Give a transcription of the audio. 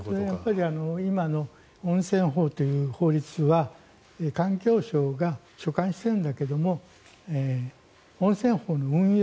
今の温泉法という法律は環境省が所管しているんだけど温泉法の運用